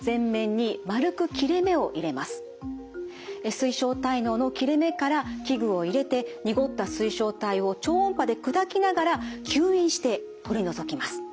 水晶体嚢の切れ目から器具を入れて濁った水晶体を超音波で砕きながら吸引して取り除きます。